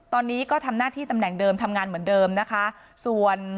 ตอนนี้ก็ทำหน้าที่ตำแหน่งเดิมทำงานเหมือนเดิมนะคะส่วน